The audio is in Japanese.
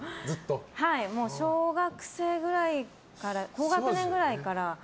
小学生くらいから高学年くらいから。